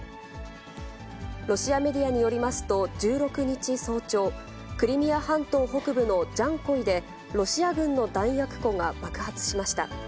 ロシアメディアによりますと、１６日早朝、クリミア半島北部のジャンコイで、ロシア軍の弾薬庫が爆発しました。